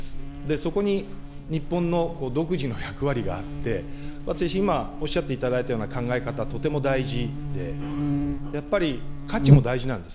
そこに日本の独自の役割があって、私今、おっしゃっていただいたような考え方、とても大事で、やっぱり価値も大事なんです。